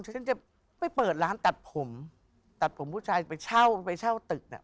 ฉันจะไปเปิดร้านตัดผมตัดผมผู้ชายไปเช่าไปเช่าตึกน่ะ